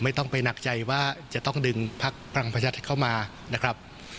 ไม่ต้องไปหนักใจว่าจะต้องดึงพักพลังประชารัฐเข้ามานะครับ